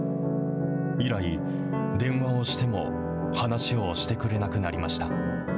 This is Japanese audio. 以来、電話をしても話しをしてくれなくなりました。